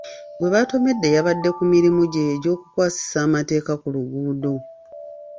Gwe baatomedde yabadde ku mirimu gye egy'okukwasisa amateeka ku luguudo.